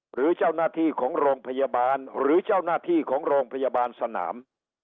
หรือเจ้าหน้าที่ของโรงพยาบาลหรือเจ้าหน้าที่ของโรงพยาบาลสนาม